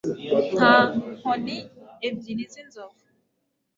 Nka nkoni ebyiri zinzovu